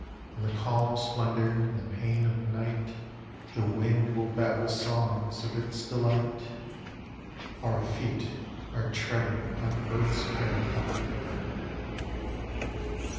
In the calm splendour and the pain of night, The wind will babble songs of its delight. Our feet are treading on earth's parapet.